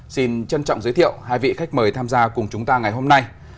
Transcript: xin trân trọng giới thiệu hai vị khách mời tham gia cùng chúng ta ngày hôm nay